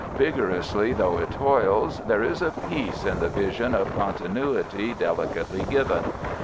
Vigorously though it toils, there is a peace in the vision of continuity delicately given.